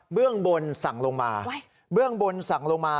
เบื้องบนสั่งลงมา